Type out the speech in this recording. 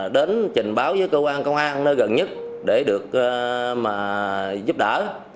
đến trình báo với cơ quan công an nơi gần nhất để được giúp đỡ